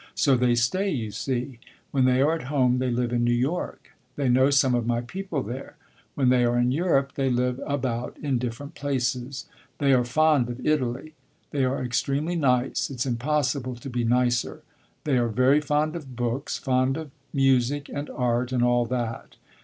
So they stay, you see. When they are at home they live in New York. They know some of my people there. When they are in Europe they live about in different places. They are fond of Italy. They are extremely nice; it 's impossible to be nicer. They are very fond of books, fond of music, and art, and all that.